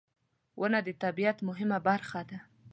• ونه د طبیعت مهمه برخه ده.